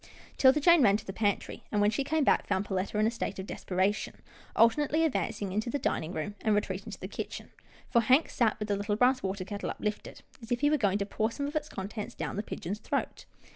'Tilda Jane ran to the pantry, and, when she came back, found Perletta in a state of desperation, alternately advancing into the dining room, and re treating to the kitchen, for Hank sat with the little brass water kettle uplifted, as if he were going to pour some of its contents down the pigeon's throat.